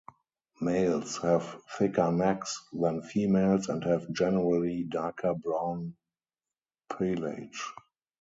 Males have thicker necks than females and have generally darker brown pelage.